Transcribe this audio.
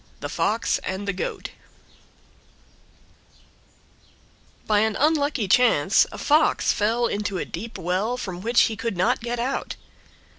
THE FOX AND THE GOAT By an unlucky chance a Fox fell into a deep well from which he could not get out.